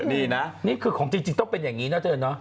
นี่คือของจริงต้องเป็นอย่างนี้นะเจ๊อินเนอะ